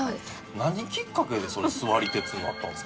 何きっかけでそれ座り鉄になったんですか？